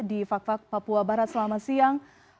di fak fak papua barat selamat siang